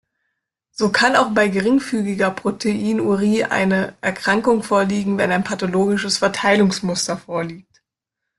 So kann auch bei geringfügiger Proteinurie eine Erkrankung vorliegen, wenn ein pathologisches Verteilungsmuster vorliegt.